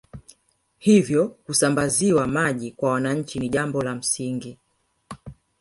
Hivyo kusamabaziwa maji kwa wananchi ni jambo la msingi